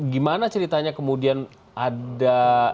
gimana ceritanya kemudian ada